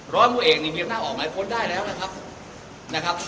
ร้อยผู้เอกนี่มีอำนาจออกหมายค้นได้แล้วนะครับ